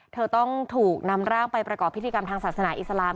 เธอต้องถูกนำร่างไปประกอบพิธีกรรมทางศาสนาอิสลาม